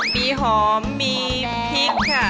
มีหอมมีพริกค่ะ